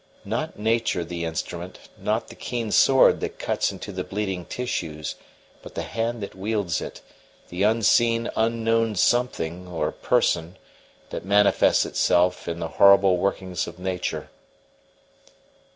Not nature the instrument, not the keen sword that cuts into the bleeding tissues, but the hand that wields it the unseen unknown something, or person, that manifests itself in the horrible workings of nature.